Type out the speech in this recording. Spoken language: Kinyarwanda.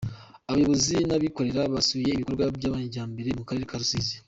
Abayobozi n’abikorera basuye ibikorwa by’amajyambere mu karere ka Rusizi.